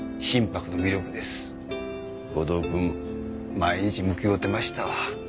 毎日向き合うてましたわ。